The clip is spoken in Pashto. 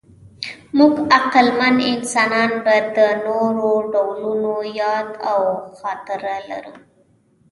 موږ عقلمن انسانان به د نورو ډولونو یاد او خاطره لرو.